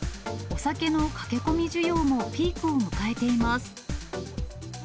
お酒の駆け込み需要もピークを迎えています。